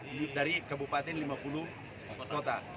ini dari kabupaten lima puluh kota